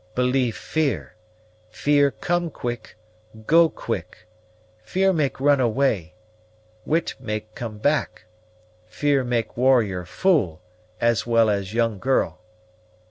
"Believe fear. Fear come quick, go quick. Fear make run away; wit make come back. Fear make warrior fool, as well as young girl."